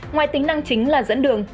ngoài tính năng chính là dẫn đường